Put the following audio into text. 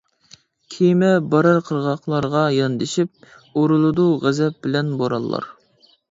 كېمە بارار قىرغاقلارغا ياندىشىپ، ئۇرۇلىدۇ غەزەپ بىلەن بورانلار.